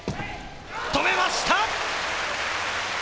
止めました！